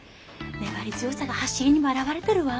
粘り強さが走りにも表れてるわ。